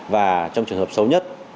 và trong trường hợp sâu nhất